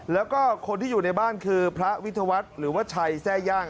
แล้วก็คนที่อยู่ในบ้านคือพระวิทยาวัฒน์หรือว่าชัยแทร่ย่าง